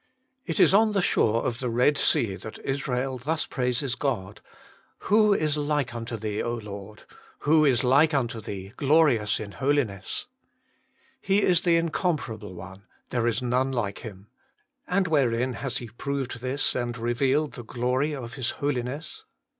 It is on the shore of the Red Sea that Israel thus praises God :' Who is like unto Thee, O Lord ! Who is like unto Thee, glorious in holi ness ?' He is the Incomparable One, there is none like Him. And wherein has He proved this, and HOLINESS AND GLORY. 57 revealed the glory of His Holiness